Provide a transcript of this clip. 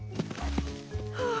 はあ。